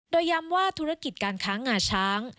โดยย้ำว่าธุรกิจการค้างงาช้าง